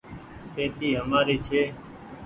پيتي همآري ڇي۔